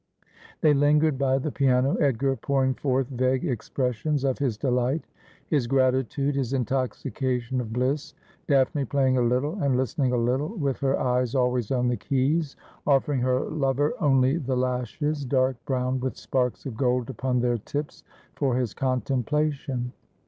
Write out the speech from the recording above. They lingered by tbe piano, Edgar pouring forth vague expressions of his delight, his gratitude, his intoxication of bliss. Daphne playing a little, and listening a little, with her eyes always on the keys, offering her lover only the lashes, dark brown with sparks of gold upon their tips, for his contemplation.